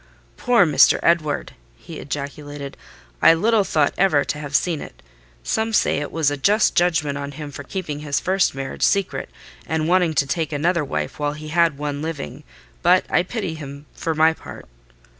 "Poor Mr. Edward!" he ejaculated, "I little thought ever to have seen it! Some say it was a just judgment on him for keeping his first marriage secret, and wanting to take another wife while he had one living: but I pity him, for my part."